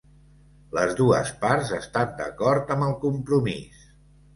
Les dues parts estan d'acord amb el compromís.